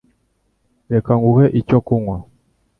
Reka nguhe icyo kunywa.